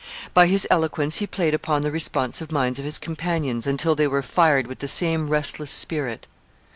By his eloquence he played upon the responsive minds of his companions until they were fired with the same restless spirit.